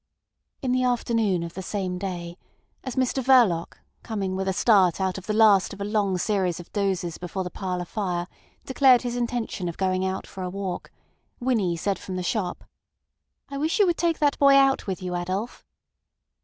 In the afternoon of the same day, as Mr Verloc, coming with a start out of the last of a long series of dozes before the parlour fire, declared his intention of going out for a walk, Winnie said from the shop: "I wish you would take that boy out with you, Adolf."